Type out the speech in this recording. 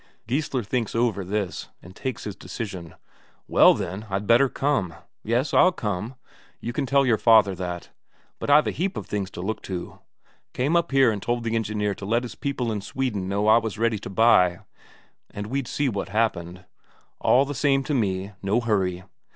Geissler thinks over this, and takes his decision: "Well, then, I'd better come. Yes, I'll come; you can tell your father that. But I've a heap of things to look to. Came up here and told the engineer to let his people in Sweden know I was ready to buy. And we'd see what happened. All the same to me, no hurry.